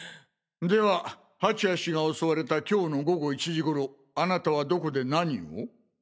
では蜂谷氏が襲われた今日の午後１時頃あなたはどこで何を？